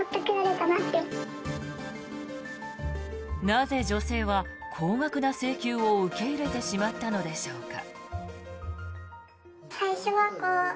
なぜ女性は高額な請求を受け入れてしまったのでしょうか。